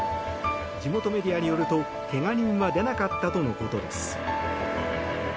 地元メディアによると、怪我人は出なかったとのことです。